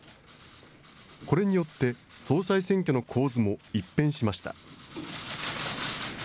これによって、総裁選挙の構図も一変しました。